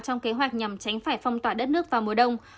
trong kế hoạch nhằm tránh phải phong tỏa đất nước vào mùa đông